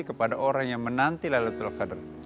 kepada orang yang menanti laylatul qadar